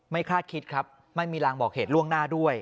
คาดคิดครับไม่มีรางบอกเหตุล่วงหน้าด้วย